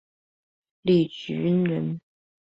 李绚人。